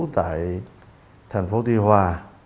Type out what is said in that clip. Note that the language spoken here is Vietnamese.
tại thành phố tuy hòa